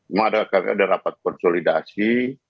memang ada rapat konsolidasi